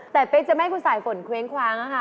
แต่เป๊กจะไม่ให้คุณสายฝนเคว้งคว้างค่ะ